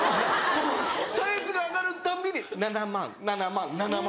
サイズが上がるたんびに７万７万７万。